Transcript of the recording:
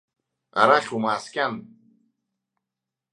Арахь умааскьан!